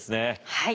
はい。